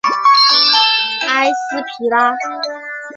埃斯皮拉。